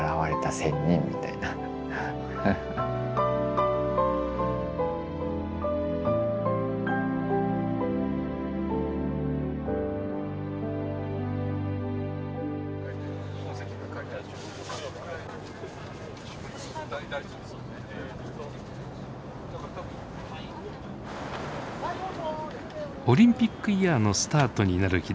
オリンピックイヤーのスタートになる日だった今年元日。